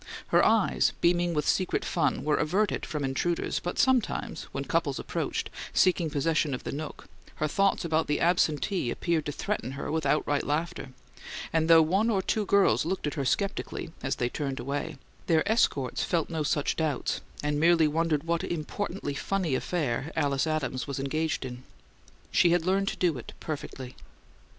Her eyes, beaming with secret fun, were averted from intruders, but sometimes, when couples approached, seeking possession of the nook, her thoughts about the absentee appeared to threaten her with outright laughter; and though one or two girls looked at her skeptically, as they turned away, their escorts felt no such doubts, and merely wondered what importantly funny affair Alice Adams was engaged in. She had learned to do it perfectly.